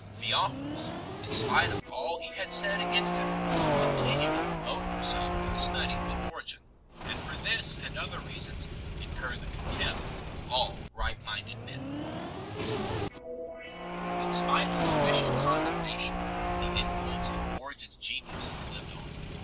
Theophilus, in spite of all he had said against him, continued to devote himself to the study of Origen, and for this and other reasons incurred the con tempt of all right minded men 6 . In spite of official condemnation the influence of Ori gen s genius lived on.